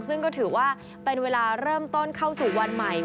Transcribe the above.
ซึ่งก็ถือว่าเป็นเวลาเริ่มต้นเข้าสู่วันใหม่